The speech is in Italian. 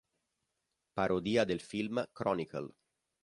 Parodia del film "Chronicle".